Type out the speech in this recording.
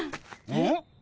えっ？